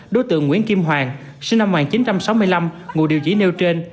đối tượng nguyễn kim hoàng sinh năm một nghìn chín trăm sáu mươi năm ngụ địa chỉ nêu trên